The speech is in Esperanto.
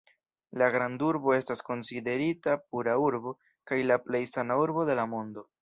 La grandurbo estas konsiderita pura urbo kaj la plej sana urbo de la mondo.